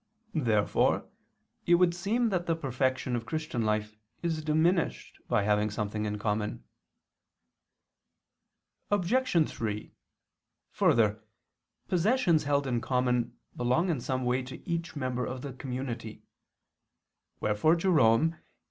Therefore it would seem that the perfection of Christian life is diminished by having something in common. Obj. 3: Further, possessions held in common belong in some way to each member of the community; wherefore Jerome (Ep.